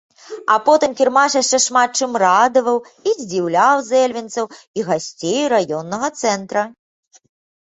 А потым кірмаш яшчэ шмат чым радаваў і здзіўляў зэльвенцаў і гасцей раённага цэнтра.